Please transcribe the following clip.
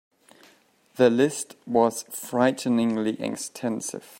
The list was frighteningly extensive.